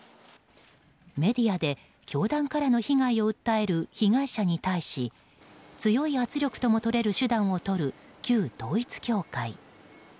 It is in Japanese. メディアで教団からの被害を訴える被害者に対し強い圧力ともとれる手段をとる、旧統一教会。